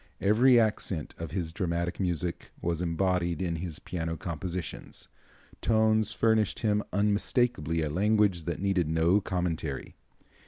Every accent of his dramatic music was embodied in his piano compositions. Tones furnished him unmistakably a language that needed no commentary.